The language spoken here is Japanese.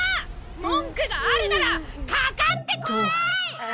文句があるならかかってこい！！とわ。